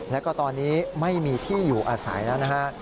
แล้วก็ตอนนี้ไม่มีที่อยู่อาศัยแล้วนะฮะ